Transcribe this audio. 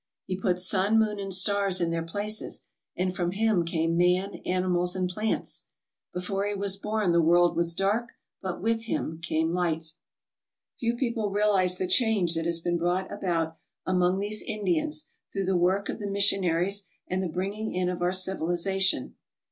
He put sun, moon, and stars in their places, and from him came man, animals, and plants. Before he was born the world was dark; but with him came light* 56 TOTEM INDIANS AND THEIR CUSTOMS Few people realize the change that has been brought about among these Indians through the work of the mis sionaries and the bringing in of our civilization.